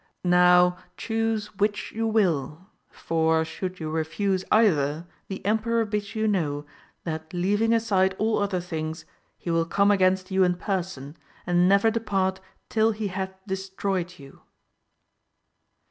Now chuse which you will, for should you refuse either the emperor bids you know, that leaving aside all other things, he will come against you in person, and never depart till he hath destroyed you.